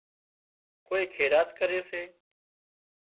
ڪوئي خيرات ڪري سي